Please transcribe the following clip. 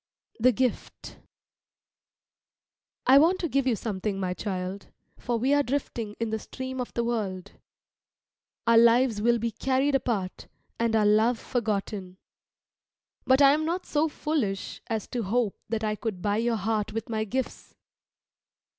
THE GIFT I want to give you something, my child, for we are drifting in the stream of the world. Our lives will be carried apart, and our love forgotten. But I am not so foolish as to hope that I could buy your heart with my gifts.